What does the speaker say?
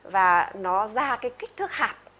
và nó ra cái kích thước hạt